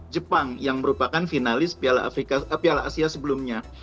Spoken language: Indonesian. jepang yang merupakan finalis piala asia sebelumnya